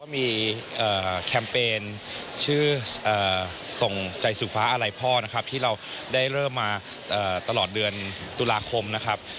มีแคมเปญชื่อส่งใจสุฟ้าอะไรพ่อนะครับที่เราได้เริ่มมาตลอดเดือนตุลาคมนะครับ